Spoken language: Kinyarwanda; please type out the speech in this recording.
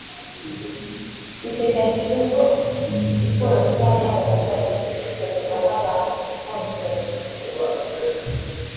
Biteganyijwe ko iyi siporo rusange y’abaturage izitabirwa n’abantu bose babyifuza